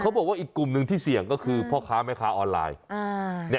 บอกว่าอีกกลุ่มหนึ่งที่เสี่ยงก็คือพ่อค้าแม่ค้าออนไลน์